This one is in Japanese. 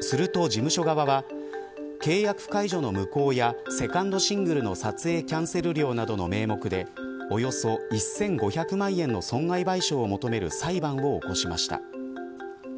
すると、事務所側は契約解除の無効やセカンドシングルの撮影キャンセル料などの名目でおよそ１５００万円の損害賠償を求める裁判を起こしました。